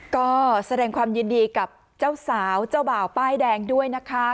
ก็แสดงความยินดีกับเจ้าสาวเจ้าบ่าวป้ายแดงด้วยนะคะ